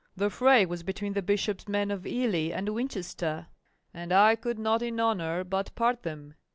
The fray was between the Bishops' men of Ely and Winchester; and I could not in honor but part them.